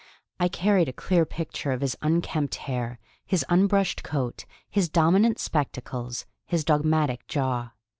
I carried a clear picture of his unkempt hair, his unbrushed coat, his dominant spectacles, his dogmatic jaw.